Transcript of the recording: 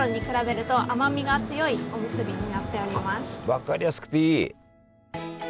分かりやすくていい！